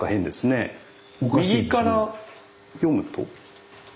右から読むと？